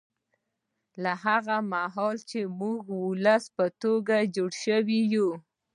له هغه مهاله چې موږ د ولس په توګه جوړ شوي یو